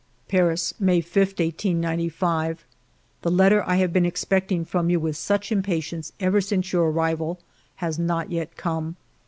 " Paris, May 5, 1895. " The letter I have been expecting from you with such impatience ever since your arrival has not yet come.